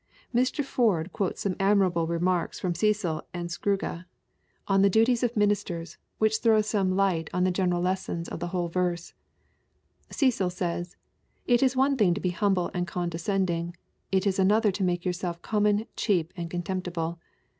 Mr Ford quotes some admirable remarks fi om Cecil and Scouga. 352 EXPOSITORY IHOUGHTS. on the duties of xnlnLsters, which throw some light on the gen eral lessons of the whole verse. Cecil says, ^' It is one thing to be humble and condescending : it is another to make yourself com mon, cheap, and contemptible.